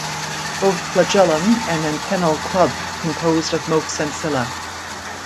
Both flagellum and antennal club composed of most sensilla.